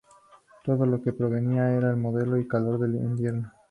Todo lo que proveía era el modelo y el calor en invierno.